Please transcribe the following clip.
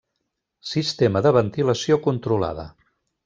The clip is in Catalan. Sistema de ventilació controlada.